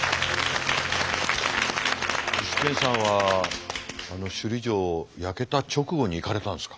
具志堅さんは首里城焼けた直後に行かれたんですか？